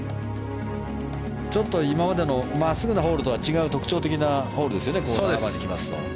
ちょっと今までの真っすぐのホールとは違う特徴的なホールですよね。